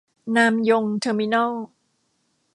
นามยง เทอร์มินัล